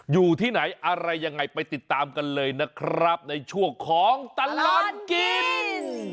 อยู่ที่ไหนอะไรยังไงไปติดตามกันเลยนะครับในช่วงของตลอดกิน